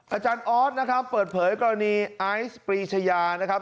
อาจารย์ออสนะครับเปิดเผยกรณีไอซ์ปรีชายานะครับ